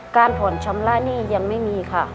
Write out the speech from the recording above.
การผ่อนชำระหนี้ยังไม่มีค่ะ